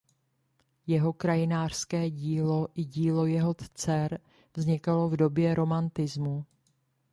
Jeho krajinářské dílo i dílo jeho dcer vznikalo v době romantismu.